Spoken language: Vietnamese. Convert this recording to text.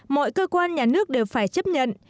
mọi cơ quan nhà nước đều phải chấp nhận